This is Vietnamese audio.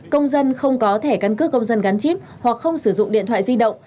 công dân không có thẻ căn cước công dân gắn chip hoặc không sử dụng điện thoại di động